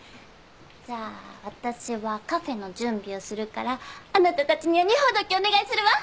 じゃあ私はカフェの準備をするからあなたたちには荷ほどきをお願いするわ！